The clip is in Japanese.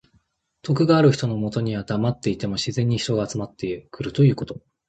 徳がある人のもとにはだまっていても自然に人が集まってくるということ。